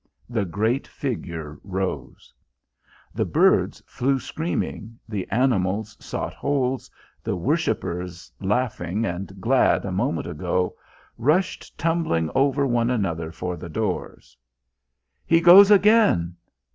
The great Figure rose. The birds flew screaming, the animals sought holes, the worshippers, laughing and glad a moment ago, rushed tumbling over one another for the doors. "He goes again!